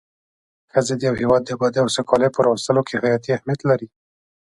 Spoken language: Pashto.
ښځی د يو هيواد د ابادي او سوکالي په راوستو کي حياتي اهميت لري